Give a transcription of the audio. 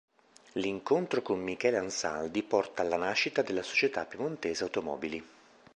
L'incontro con Michele Ansaldi porta alla nascita della Società Piemontese Automobili.